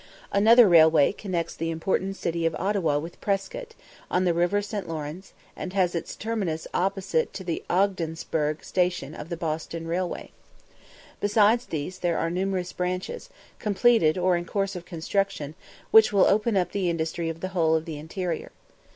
Another railway connects the important city of Ottawa with Prescott, on the river St. Lawrence, and has its terminus opposite to the Ogdensburgh station of the Boston railway. Besides these there are numerous branches, completed or in course of construction, which will open up the industry of the whole of the interior.